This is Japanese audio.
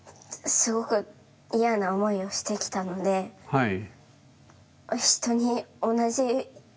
はい。